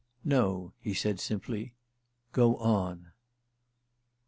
"No," he said simply; "go on."